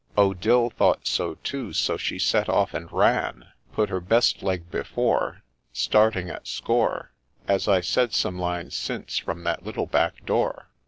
— Odille thought so too, so she set off and ran, Put her best leg before, Starting at score, As I said some lines since, from that little back door.